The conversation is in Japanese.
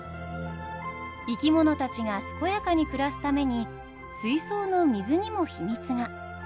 生き物たちが健やかに暮らすために水槽の水にも秘密が。